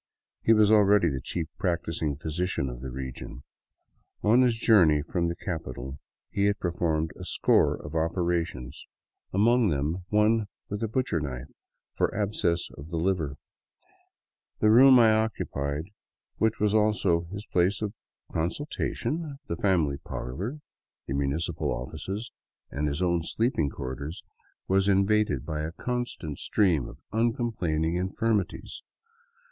He was already the chief practicing physician of the region. On his journey from the capital he had performed a score of opera tions, among them one with a butcher knife for abscess of the liver. The room I occupied, which was also his place of consultation, the 210 d THE WILDS OF NORTHERN PERU family parlor, the municipal offices, and his own sleeping quarters, was invaded by a constant stream of uncomplaining infirmities.